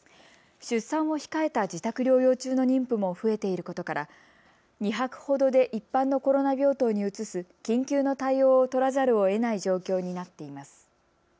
出産を控えた自宅療養中の妊婦も増えていることから２泊ほどで一般のコロナ病棟に移す緊急の対応を取らざるをえない状況になっています。